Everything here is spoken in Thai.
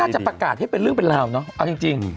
จะประกาศให้เป็นเรื่องเป็นราวเนอะเอาจริง